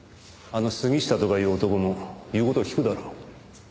あの杉下とかいう男も言う事を聞くだろう。